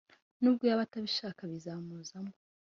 Nubwo yaba atabishaka bizamuzamo